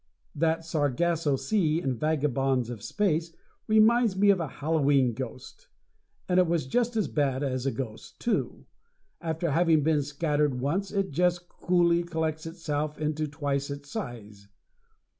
That Sargasso Sea, in "Vagabonds of Space," reminds me of a Halloween ghost. And it was just as bad as a ghost, too. After having been scattered once, it just coolly collects itself into twice its size.